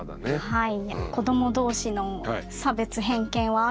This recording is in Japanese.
はい。